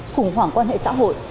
khủng hoảng quan hệ xã hội